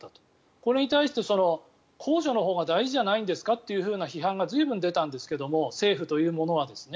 これに対して公助のほうが大事じゃないんですかという批判が随分出たんですが政府というものはですね。